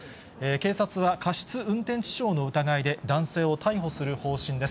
警察は、過失運転致傷の疑いで、男性を逮捕する方針です。